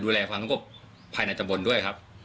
ดูแลความส่งครวบภัยหร่างจำบลด้วยครับ